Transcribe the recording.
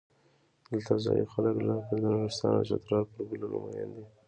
دلته ځايي خلک لکه د نورستان او چترال پر ګلونو مین دي.